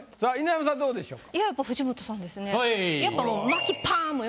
中田さんはどうでしょう？